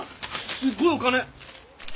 すごいお金！